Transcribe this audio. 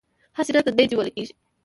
هسې نه تندی دې ولګېږي.